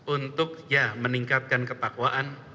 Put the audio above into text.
untuk ya meningkatkan ketakwaan